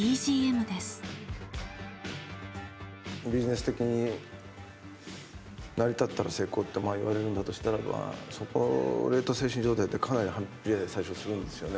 ビジネス的に成り立ったら成功って言われるんだとしたらばそれと精神状態ってかなり反比例最初するんですよね。